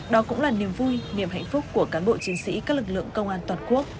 đó cũng là niềm vui niềm hạnh phúc của cán bộ chiến sĩ các lực lượng công an toàn quốc